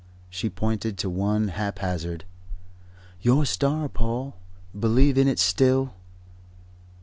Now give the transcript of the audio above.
She pointed to one, haphazard. "Your star, Paul. Believe in it still."